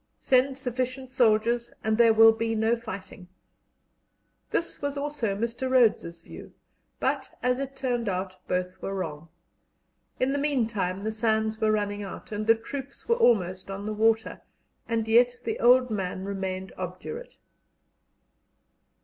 Send sufficient soldiers, and there will be no fighting." This was also Mr. Rhodes's view, but, as it turned out, both were wrong. In the meantime the sands were running out, and the troops were almost on the water, and yet the old man remained obdurate.